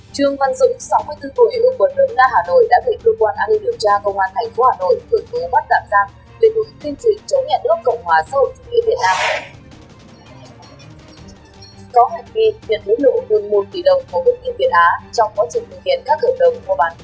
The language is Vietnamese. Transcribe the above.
trường văn dũng sáu mươi bốn tuổi quận bốn nga hà nội đã gửi cơ quan an ninh điều tra công an thành phố hà nội gửi cơ bắt tạm giam về nội dung tiên truyền chống hẹn nước cộng hòa xã hội chủ nghĩa việt nam